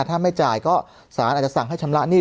ถ้าไม่จ่ายก็สารอาจจะสั่งให้ชำระหนี้